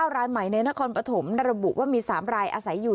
รายใหม่ในนครปฐมระบุว่ามี๓รายอาศัยอยู่